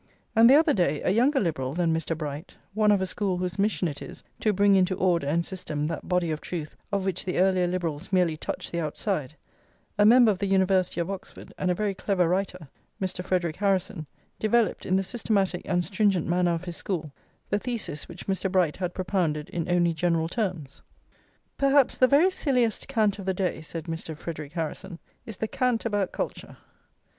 And the other day a younger Liberal than Mr. Bright, one of a school whose mission it is to bring into order and system that body of truth of which the earlier Liberals merely touched the outside, a member of the University of Oxford, and a very clever writer, Mr. Frederic Harrison, developed, in the systematic and stringent manner of his school, the thesis which Mr. Bright had propounded in only general terms. "Perhaps the very silliest cant of the day," said Mr. Frederic Harrison, "is the cant about culture.